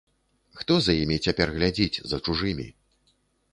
Хто за імі цяпер глядзіць, за чужымі?